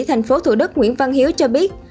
thành phố thủ đức nguyễn văn hiếu cho biết